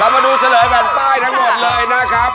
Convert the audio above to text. มาดูเฉลยแผ่นป้ายทั้งหมดเลยนะครับ